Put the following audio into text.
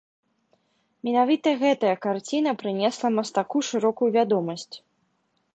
Менавіта гэтая карціна прынесла мастаку шырокую вядомасць.